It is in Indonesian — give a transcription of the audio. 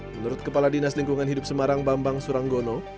menurut kepala dinas lingkungan hidup semarang bambang suranggono